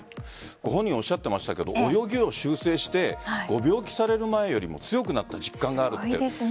ご本人はおっしゃっていましたが泳ぎを修正してご病気される前よりも強くなった実感があると。